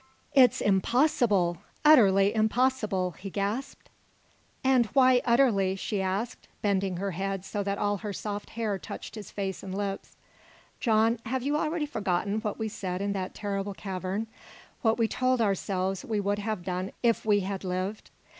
"It's impossible utterly impossible!" he gasped. "And why utterly?" she asked, bending her head so that her soft hair touched his face and lips. "John, have you already forgotten what we said in that terrible cavern what we told ourselves we would have done if we had lived?